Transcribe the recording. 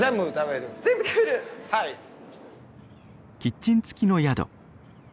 キッチンつきの宿。